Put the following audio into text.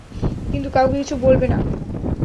কিন্তু কাউকে কিছু বলবে না।